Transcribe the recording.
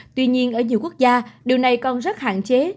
tuy nhiên ở nhiều quốc gia điều này còn rất hạn chế